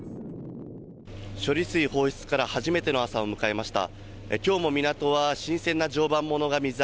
処理水放出から初めての朝を迎えました。